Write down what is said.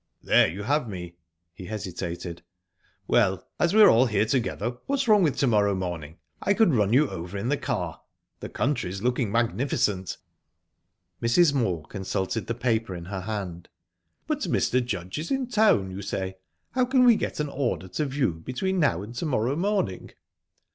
"There you have me." He hesitated..."Well, as we're all here together, what's wrong with to morrow morning? I could run you over in the car. The country's looking magnificent." Mrs. Moor consulted the paper in her hand. "But Mr. Judge is in town, you say? How can we get an order to view between now and to morrow morning?"